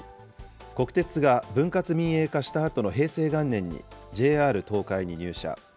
国鉄が分割民営化したあとの平成元年にＪＲ東海に入社。